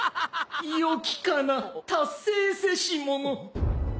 ・よきかな達成せし者。